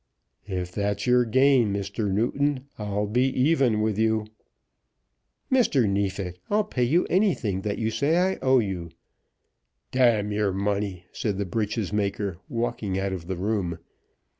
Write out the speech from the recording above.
"If that's your game, Mr. Newton, I'll be even with you." "Mr. Neefit, I'll pay you anything that you say I owe you." "Damn your money!" said the breeches maker, walking out of the room.